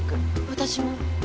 私も。